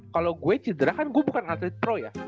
kalau gue cedera kan gue bukan atlet pro ya